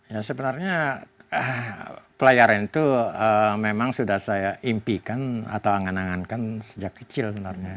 ya sebenarnya pelayaran itu memang sudah saya impikan atau angan angankan sejak kecil sebenarnya